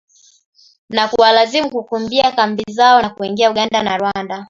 Na kuwalazimu kukimbia kambi zao na kuingia Uganda na Rwanda.